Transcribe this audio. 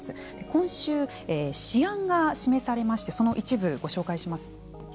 今週、試案が示されましてその一部をご紹介します。